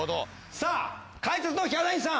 さぁ解説のヒャダインさん！